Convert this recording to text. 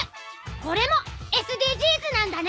これもＳＤＧｓなんだね！